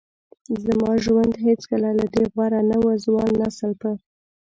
زما ژوند هیڅکله له دې غوره نه و. ځوان نسل په